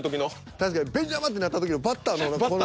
確かに紅球！ってなった時のバッターのこの。